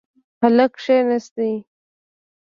هلک کښېناست.